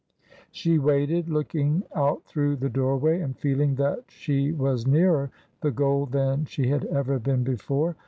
She waited, looking out through the doorway, and feeling that she was nearer the goal than she had ever been before.